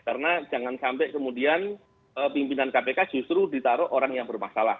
karena jangan sampai kemudian pimpinan kpk justru ditaruh orang yang bermasalah